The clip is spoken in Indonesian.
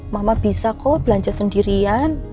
mama bisa kok belanja sendirian